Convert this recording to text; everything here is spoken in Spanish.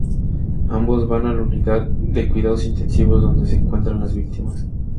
Ambos van a la unidad de cuidados intensivos, donde se encuentran las víctimas.